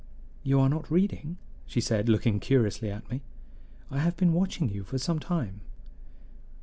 "You are not reading," she said, looking curiously at me. "I have been watching you for some time."